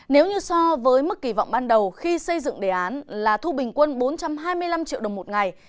nếu như so với mức kỳ vọng ban đầu khi xây dựng đề án là thu bình quân bốn trăm hai mươi năm triệu đồng một ngày